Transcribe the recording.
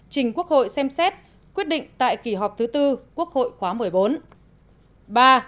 trình quốc hội xem xét quyết định tại kỳ họp thứ tư quốc hội khóa một mươi bốn